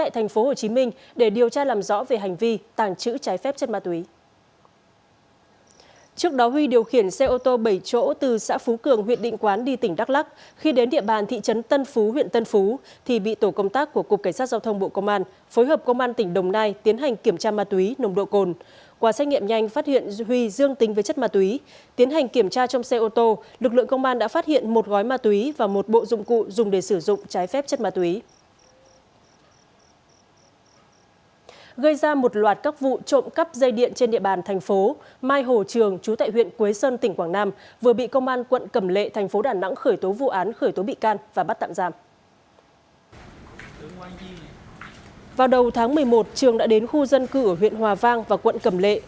tháng một mươi một trường đã đến khu dân cư ở huyện hòa vang và quận cầm lệ